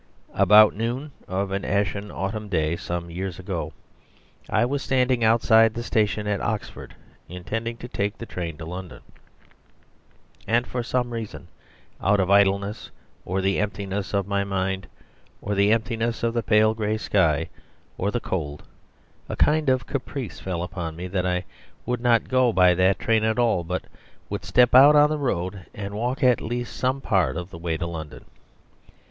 ..... About noon of an ashen autumn day some years ago I was standing outside the station at Oxford intending to take the train to London. And for some reason, out of idleness or the emptiness of my mind or the emptiness of the pale grey sky, or the cold, a kind of caprice fell upon me that I would not go by that train at all, but would step out on the road and walk at least some part of the way to London.